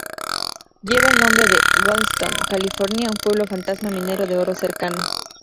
Lleva el nombre de Goldstone, California, un pueblo fantasma minero de oro cercano.